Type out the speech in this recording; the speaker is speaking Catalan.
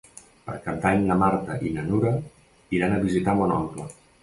Per Cap d'Any na Marta i na Nura iran a visitar mon oncle.